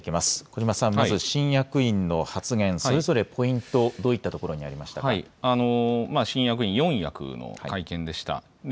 小嶋さん、まず新役員の発言、それぞれポイント、どういったとこ新役員、四役の会見でした。